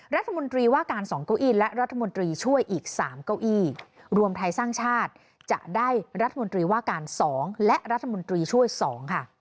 รัฐมนตรีว่าการสองเก้าอี้และรัฐมนตรีช่วยอีก๓เก้าอี้รวมไทยสร้างชาติจะได้รัฐมนตรีว่าการ๒และรัฐมนตรีช่วย๒ค่ะ